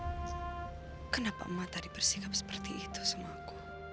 ya allah kenapa emak tadi bersikap seperti itu sama aku